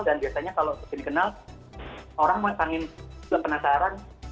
dan biasanya kalau semakin dikenal orang mulai penasaran